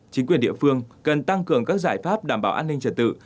chính quyền địa phương cần tăng cường các giải pháp đảm bảo an ninh trật tự